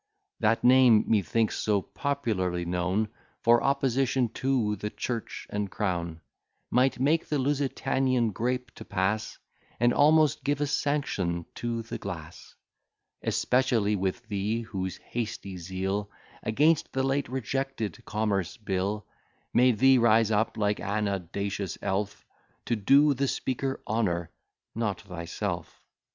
That name, methinks, so popularly known For opposition to the church and crown, Might make the Lusitanian grape to pass, And almost give a sanction to the glass; Especially with thee, whose hasty zeal Against the late rejected commerce bill Made thee rise up, like an audacious elf, To do the speaker honour, not thyself.